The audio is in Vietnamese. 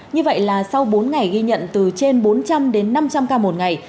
như vậy là sau bốn ngày ghi nhận từ trên bốn trăm linh đến năm trăm linh ca một ngày